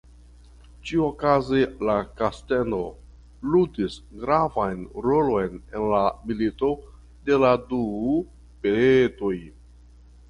Ĉiuokaze la kastelo ludis gravan rolon en la Milito de la du Petroj.